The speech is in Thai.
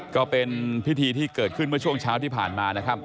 ก็เป็นพิธีที่เกิดขึ้นเมื่อช่วงเช้าที่ผ่านมานะครับ